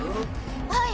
はい。